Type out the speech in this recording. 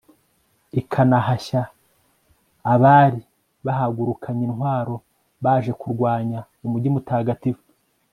ikanahashya abari bahagurukanye intwaro baje kurwanya umugi mutagatifu